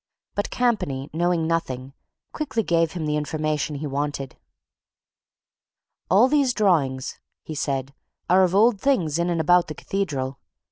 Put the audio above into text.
But Campany, knowing nothing, quickly gave him the information he wanted. "All these drawings," he said, "are of old things in and about the Cathedral.